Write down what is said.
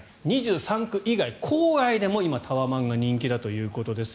２３区以外、郊外でも今、タワマンが人気だということです。